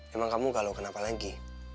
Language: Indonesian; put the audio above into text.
emang kamu kalau kenapa lagi